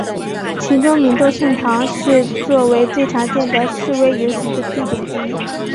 其中明洞圣堂是作为最常见的示威游行地点之一。